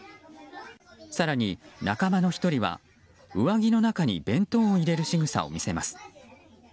更に、仲間の１人は上着の中に弁当を入れるしぐさを見せます。